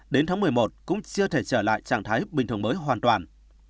đến tháng một mươi một cũng chưa thể trở lại trạng thái bình thường mới hoàn toàn